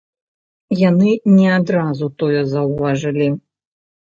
Яны не адразу тое заўважылі.